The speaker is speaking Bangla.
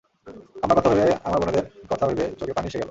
আম্মার কথা ভেবে, আমার বোনেদের কথা ভেবে, চোখে পানি এসে গেল।